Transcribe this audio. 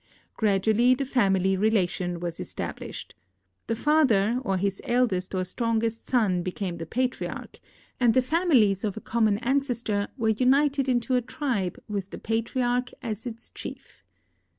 Gradually the family relation was established. The father or his eldest or strongest son ))ecamo the jKitriarch, and the families of a common ancestor were united into a tril»e with the patriarch as its chief.